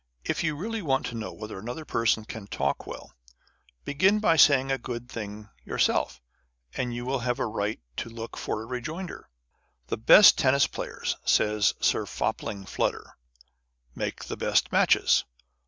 If you really want to know whether another person can talk well, begin by saying a good thing yourself, and you will have a right to look for a rejoinder. " The best tennis players," says Sir Fopling Flutter, " make the best matches."